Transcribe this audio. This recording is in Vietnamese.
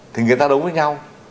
thì người ta đấu với nhau